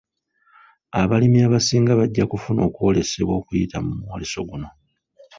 Abalimi abasinga bajja kufuna okwolesebwa okuyita mu mwoleso guno.